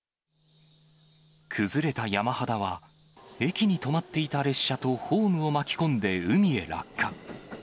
崩れた山肌は、駅に止まっていた列車とホームを巻き込んで、海へ落下。